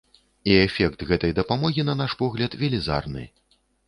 І эфект гэтай дапамогі, на наш погляд, велізарны.